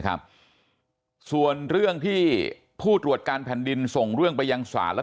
ครับส่วนเรื่องที่ผู้ตรวจการแผ่นดินส่งเรื่องไปยังศาลและ